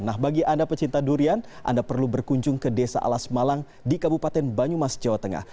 nah bagi anda pecinta durian anda perlu berkunjung ke desa alas malang di kabupaten banyumas jawa tengah